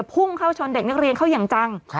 พุ่งเข้าชนเด็กนักเรียนเข้าอย่างจัง